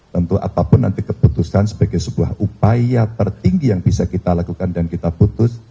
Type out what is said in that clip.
tentu apapun nanti keputusan sebagai sebuah upaya tertinggi yang bisa kita lakukan dan kita putus